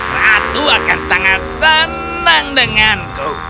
ratu akan sangat senang denganku